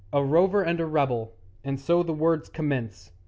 A rover and a rebel And so the worlds commence!